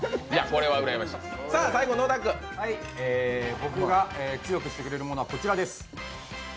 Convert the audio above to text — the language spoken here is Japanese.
僕が強くしてくれるものはこちらです。